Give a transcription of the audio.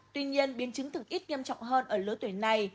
tuy nhiên biến chứng thường ít nghiêm trọng hơn ở lối tuổi này